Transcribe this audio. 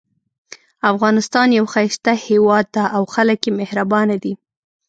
افغانستان یو ښایسته هیواد ده او خلک یې مهربانه دي